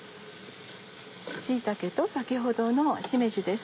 椎茸と先ほどのしめじです。